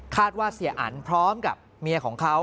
ว่าเสียอันพร้อมกับเมียของเขา